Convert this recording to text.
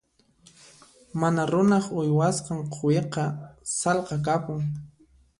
Mana runaq uywasqan quwiqa sallqa kapun.